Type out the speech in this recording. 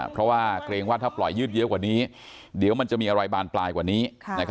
เพราะว่าเกรงว่าถ้าปล่อยยืดเยอะกว่านี้เดี๋ยวมันจะมีอะไรบานปลายกว่านี้